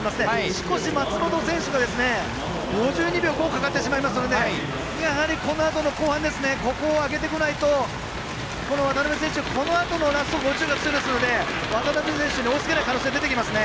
少し松元選手が５２秒５かかってしまいましたのでやはりこのあとの後半ここを上げてこないと渡邊選手、このあとの５０がきつそうなので渡邊選手に追いつけない可能性が出てきましたね。